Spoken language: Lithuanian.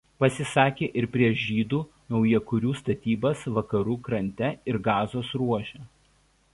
Pasisakė ir prieš žydų naujakurių statybas Vakarų Krante ir Gazos Ruože.